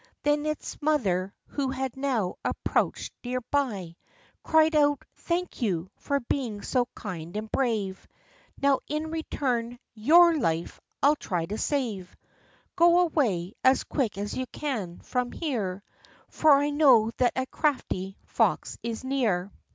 Then its mother, who had now approached near by, Cried out, " Thank you, for being so kind and brave. Now, in return, your life I'll try to save : Go away, as quick as you can, from here, For I know that a crafty fox is near."